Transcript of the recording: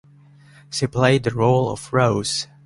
She played the role of "Rose".